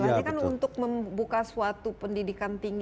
apalagi kan untuk membuka suatu pendidikan tinggi